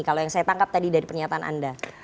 kalau yang saya tangkap tadi dari pernyataan anda